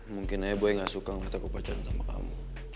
mungkin aja boy gak suka ngataku percaya sama kamu